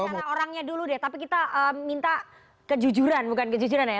kita mau bicara orangnya dulu deh tapi kita minta kejujuran bukan kejujuran ya